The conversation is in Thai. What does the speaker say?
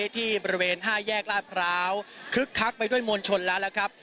ที่บริเวณ๕แยกลาดพร้าวคึกคักไปด้วยมวลชนแล้วแล้วครับ